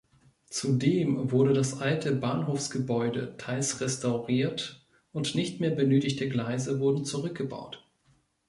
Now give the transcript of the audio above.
Zudem wurde das alte Bahnhofsgebäude teils restauriert, und nicht mehr benötigte Gleise wurden zurückgebaut.